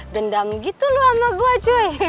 dendam gitu loh sama gua cuy